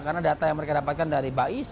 karena data yang mereka dapatkan dari bais